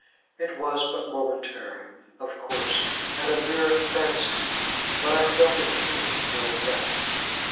It was but momentary, of course, and a mere fancy, but I felt it keenly for all that.